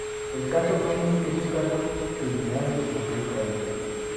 El caso Dominici es un caso criminal que ocurrió en Francia.